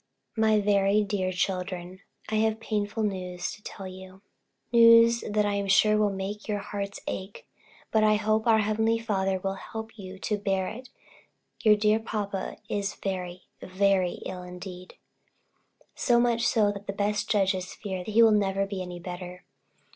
My very dear Children, I have painful news to tell you news that I am sure will make your hearts ache; but I hope our heavenly Father will help you to bear it. Your dear papa is very, very ill indeed; so much so that the best judges fear that he will never be any better.